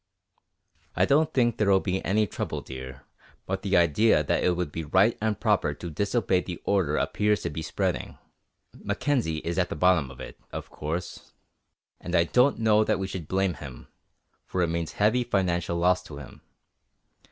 "I don't think there'll be any trouble, dear, but the idea that it would be right and proper to disobey the order appears to be spreading. Mackenzie is at the bottom of it, of course, and I don't know that we should blame him, for it means heavy financial loss to him.